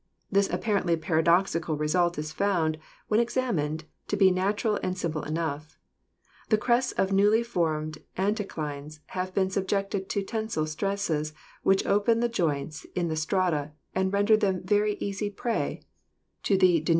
This apparently paradoxical result is found, when examined, to be natural and simple enough. The crests of newly formed anticlines have been subjected to tensile stresses which open the joints in the strata and render them an ectsy prey to the denuding |;■■••?